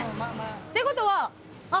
ってことはあっ